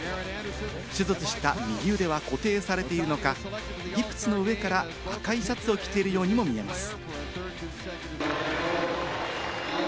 手術した右腕は固定されているのか、ギプスの上から赤いシャツを着ているようにも見えます。